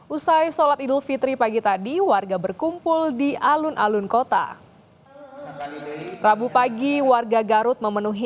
usai sholat idul fitri pagi tadi warga berkumpul di alun alun kota rabu pagi warga garut memenuhi